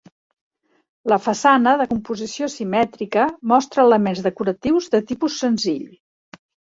La façana, de composició simètrica, mostra elements decoratius de tipus senzill.